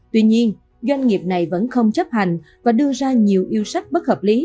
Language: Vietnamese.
tuy nhiên doanh nghiệp này vẫn không chấp hành và đưa ra nhiều yêu sách bất hợp lý